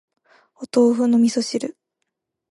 お豆腐の味噌汁